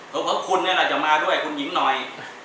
เพราะว่าคุณเนี่ยเราจะมาด้วยคุณหญิงหน่อย